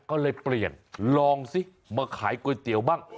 ก็เลยเปลี่ยนลองซิมาขายก๋วยเตี๋ยวบ้าง